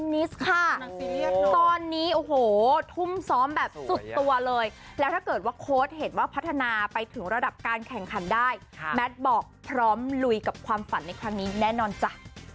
ตอนนี้โอ้โหทุ่มซ้อมแบบสุดตัวเลยแล้วถ้าเกิดว่าโค้ดเห็นว่าพัฒนาไปถึงระดับการแข่งขันได้แมทบอกพร้อมลุยกับความฝันในครั้งนี้แน่นอนจ้ะ